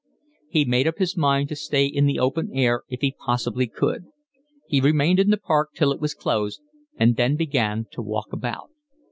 He made up his mind to stay in the open air if he possibly could. He remained in the park till it was closed and then began to walk about.